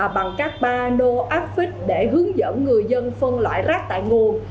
bằng các bà nô áp phích để hướng dẫn người dân phân loại rác tại nguồn